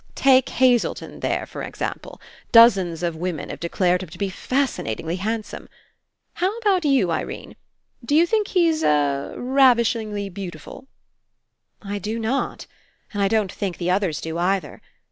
Take Hazelton there, for example. Dozens of women have declared him to be fascinatingly handsome. How about you, Irene? Do you think he's — er — ravishingly beautiful?" "I do not! And I don't think the others do either.